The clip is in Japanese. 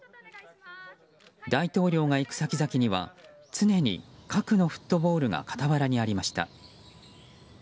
大統領が行く先々には常に核のフットボールが傍らにありました。